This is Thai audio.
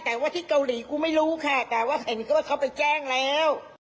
แต่ว่าที่เกาหลีกูไม่รู้ค่ะแต่ว่าเห็นก็ว่าเขาไปแจ้งแล้ว